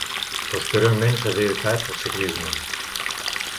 Posteriorment s'ha dedicat al ciclisme.